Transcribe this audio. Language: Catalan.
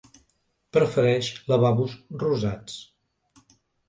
Prefereix lavabos rosats.